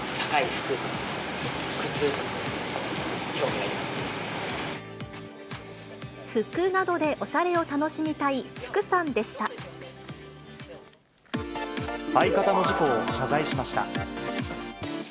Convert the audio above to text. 服などでおしゃれを楽しみた相方の事故を謝罪しました。